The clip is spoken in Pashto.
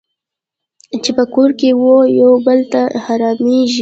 چې په کور کې وو یو بل ته حرامېږي.